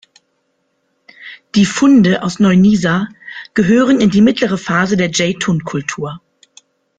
Die Funde aus Neu-Nisa gehören in die mittlere Phase der Dscheitun-Kultur.